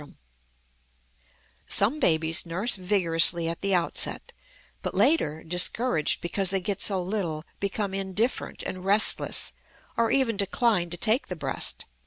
Some babies nurse vigorously at the outset, but later, discouraged because they get so little, become indifferent and restless, or even decline to take the breast.